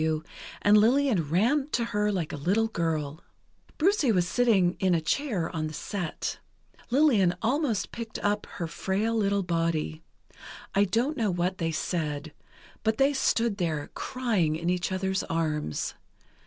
W., and Lillian ran to her like a little girl. Brucie was sitting in a chair on the set. Lillian almost picked up her frail little body. I don't know what they said, but they stood there, crying in each other's arms.